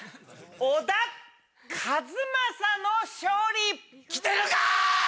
小田和正の勝利！来てるか！